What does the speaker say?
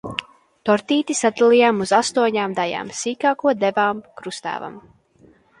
Tortīti sadalījām uz astoņām daļām, sīkāko devām kruttēvam.